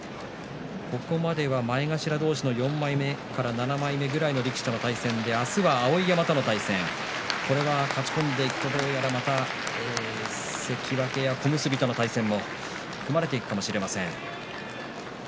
ここまでは前頭同士の４枚目から７枚目での力士との対戦で明日は碧山との対戦。これは勝ち込んでいくとどうやらまた関脇や小結との対戦も組まれていくかもしれません。